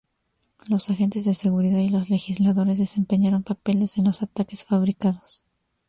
Los agentes de seguridad y los legisladores desempeñaron papeles en los ataques fabricados.